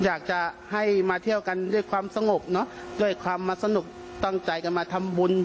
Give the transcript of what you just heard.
อยากจะให้มาเที่ยวกันด้วยความสงบเนอะด้วยความมาสนุกตั้งใจกันมาทำบุญ